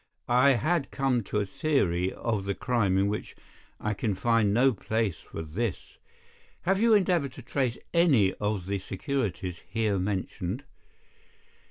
I had come to a theory of the crime in which I can find no place for this. Have you endeavoured to trace any of the securities here mentioned?"